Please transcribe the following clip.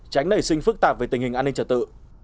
tránh nảy sinh phức tạp về tình hình an ninh trật tự